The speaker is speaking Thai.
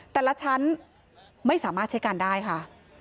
แต่ละชั้นไม่สามารถใช้การได้ค่ะ